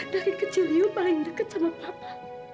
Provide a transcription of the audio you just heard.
dari kecil yuk paling dekat sama papa